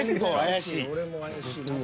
俺も怪しいなと。